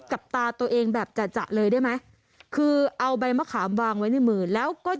กับตาตัวเองแบบจะเลยได้ไหมคือเอาใบมะขามวางไว้ในมือแล้วก็